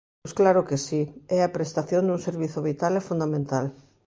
Pois claro que si, é a prestación dun servizo vital e fundamental.